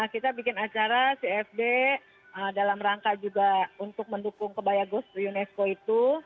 kita bikin acara cfd dalam rangka juga untuk mendukung kebaya ghost unesco itu